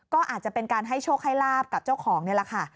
ก็อาจจะเป็นการให้โชคให้ลาบกับเจ้าของนี่แหละค่ะ